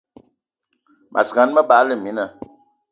Mas gan, me bagla mina